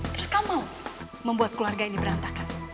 terus kamu membuat keluarga ini berantakan